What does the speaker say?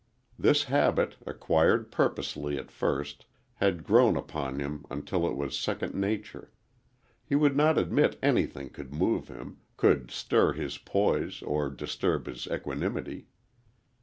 This habit, acquired purposely at first, had grown upon him until it was second nature. He would not admit anything could move him, could stir his poise or disturb his equanimity.